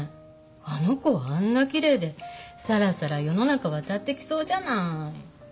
あの子はあんなきれいでサラサラ世の中渡ってきそうじゃない？